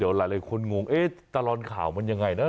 เดี๋ยวหลายคนงงตลอดข่าวมันยังไงนะ